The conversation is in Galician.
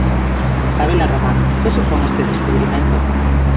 Sabela Romar, que supón este descubrimento?